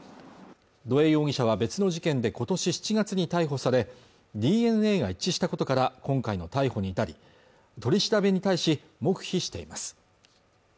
土江容疑者は別の事件でことし７月に逮捕されＤＮＡが一致したことから今回の逮捕に至り取り調べに対し黙秘しています